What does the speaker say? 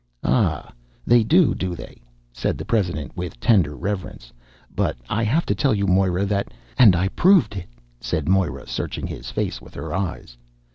"Ah, they do, do they!" said the president with tender reverence. "But I have to tell you, Moira, that " "And I proved it!" said Moira, searching his face with her eyes.